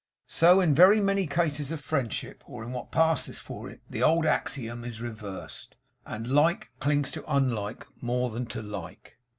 So in very many cases of friendship, or what passes for it, the old axiom is reversed, and like clings to unlike more than to like.